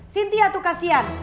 sintia tuh kasihan